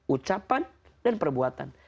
ucapan dan perbuatan